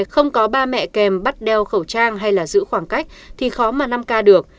không có ba mẹ kèm bắt đeo khẩu trang hay là giữ khoảng cách thì khó mà năm ca được